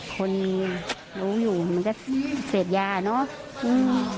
คนรู้อยู่มันก็เสร็จยาเนาะ